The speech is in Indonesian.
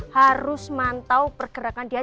harus mantau pergerakan dia